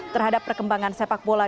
terhadap perkembangan sepak bola